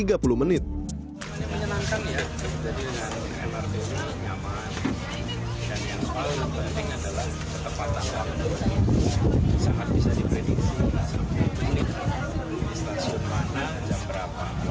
setelah sepuluh menit stasiun mana jam berapa